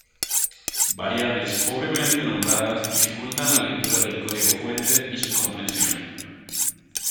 Variables pobremente nombradas dificultan la lectura del código fuente y su comprensión.